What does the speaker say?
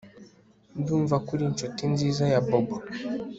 Ndumva ko uri inshuti nziza ya Bobo